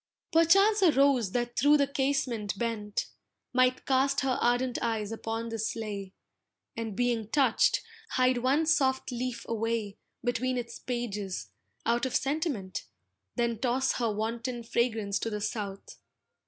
Perchance a rose that through the casement bent, Might cast her ardent eyes upon this lay, And being touched, hide one soft leaf away Between its pages, out of sentiment, Then toss her wanton fragrance to the South.